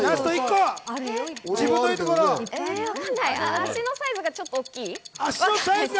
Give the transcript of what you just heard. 足のサイズがちょっと大きい。